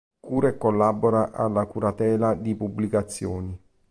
Cura e collabora alla curatela di pubblicazioni.